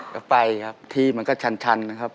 ก็ไฟครับที่มันก็ชันนะครับ